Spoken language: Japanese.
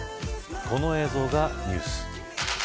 この映像がニュース。